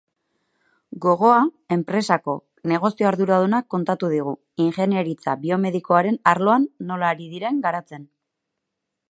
Gogoa enpresako negozio arduradunak kontatu digu ingeniaritza biomedikoaren arloan nola ari diren garatzen.